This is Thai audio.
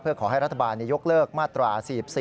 เพื่อขอให้รัฐบาลยกเลิกมาตรา๔๔